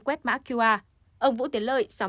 quét mã qr ông vũ tiến lợi